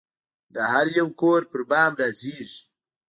د هریو کور پربام رازیږې